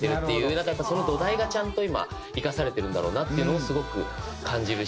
だからやっぱその土台がちゃんと今生かされてるんだろうなっていうのをすごく感じるし。